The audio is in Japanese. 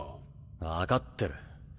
分かってる。